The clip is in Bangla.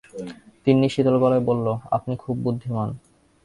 তিন্নি শীতল গলায় বলল, আপনি খুব বুদ্ধিমান।